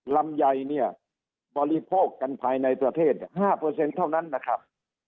ลำยัยเนี่ยบริโภคกันภายในประเทศห้าเปอร์เซ็นต์เท่านั้นนะครับ